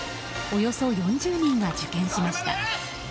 およそ４０人が受験しました。